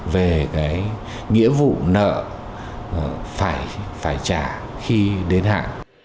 về cái nghĩa vụ nợ phải trả khi đến hạ